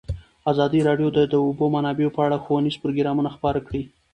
ازادي راډیو د د اوبو منابع په اړه ښوونیز پروګرامونه خپاره کړي.